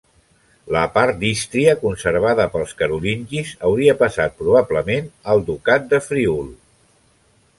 La part d'Ístria conservada pels carolingis hauria passat probablement al ducat de Friül.